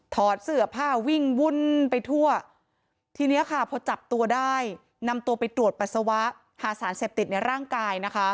ถอดเสื้อผ้าวิ่งวุ่นไปทั่วทีเนี้ยค่ะพอจับตัวได้นำตัวไปตรวจปัสสาวะหาสารเสพติดในร่างกายนะคะ